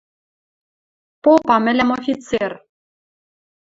Попа мӹлӓм офицер.